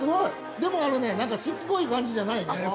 でも、しつこい感じじゃないね。